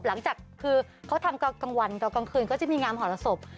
หลังจากคือเขาทำกลางวันกลางคืนก็จะมีงานหรสบ